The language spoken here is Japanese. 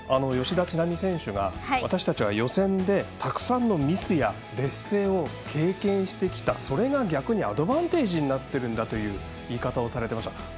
吉田知那美選手が私たちは予選でたくさんのミスや劣勢を経験してきた、それが逆にアドバンテージになっているんだという言い方をされていました。